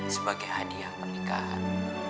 sebagai hadiah pernikahan